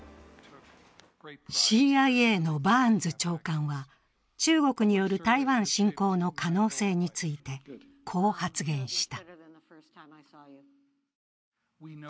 ＣＩＡのバーンズ長官は中国による台湾侵攻の可能性について、こう発言した。